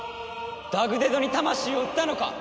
ダグデドに魂を売ったのか！？